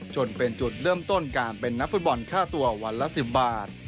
จนเป็นจุดเริ่มต้นการเป็นนักฟุตบอลค่าตัววันละ๑๐บาท